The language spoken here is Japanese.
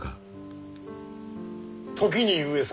時に上様。